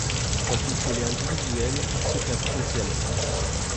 En pistolet individuel, il se classe trentième.